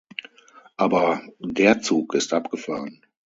Aber der Zug ist abgefahren.